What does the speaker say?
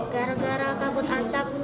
gara gara kabut asap